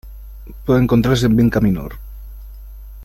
Puede encontrarse en "Vinca minor".